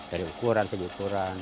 dari ukuran segi ukuran